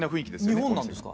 これ日本なんですか？